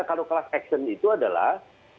kalau kelas aksion itu adalah